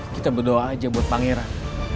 kita berdoa aja buat pangeran